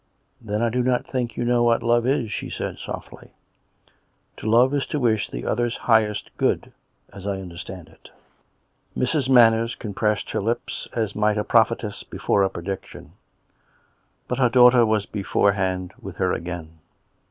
" Then I do not think you know what love is," she said softly. " To love is to wish the other's highest good, as I understand it." Mrs. Manners compressed her lips, as might a proph etess before a prediction. But her daughter was before hand with her again.